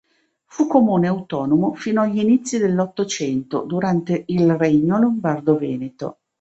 Fu comune autonomo fino agli inizi dell'Ottocento, durante il Regno Lombardo-Veneto.